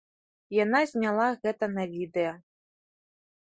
Яна зняла гэта на відэа.